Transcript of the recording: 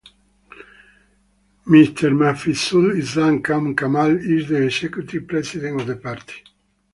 Mr. Mafizul Islam Khan Kamal is the Executive President of the Party.